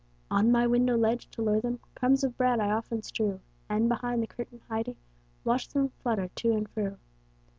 On my window ledge, to lure them, Crumbs of bread I often strew, And, behind the curtain hiding, Watch them flutter to and fro.